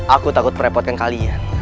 aku takut merepotkan kalian